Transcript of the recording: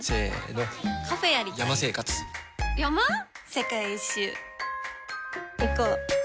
世界一周いこう。